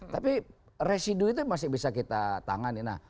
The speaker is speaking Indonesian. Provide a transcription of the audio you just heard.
tapi residu itu masih bisa kita tangani